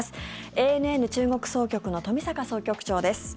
ＡＮＮ中国総局の冨坂総局長です。